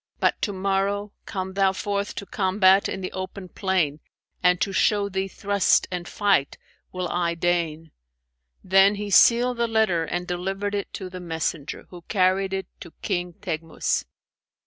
But to morrow, come thou forth to combat in the open plain, and to show thee thrust and fight will I deign.' Then he sealed the letter and delivered it to the messenger, who carried it to King Teghmus."